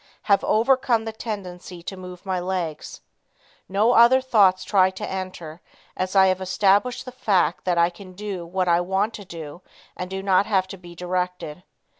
Have overcome the tendency to move my legs. No other thoughts try to enter as I have established the fact that I can do what I want to do and do not have to be directed.